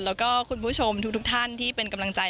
แล้วก็คุณผู้ชมทุกท่านที่เป็นกำลังใจ